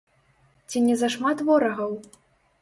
Ці не зашмат ворагаў?